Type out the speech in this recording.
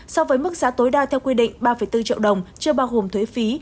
so với mức giá tối đa theo quy định ba bốn triệu đồng chưa bao gồm thuế phí